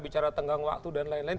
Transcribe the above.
bicara tenggang waktu dan lain lain